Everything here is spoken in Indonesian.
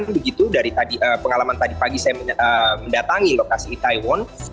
begitu dari pengalaman tadi pagi saya mendatangi lokasi itaewon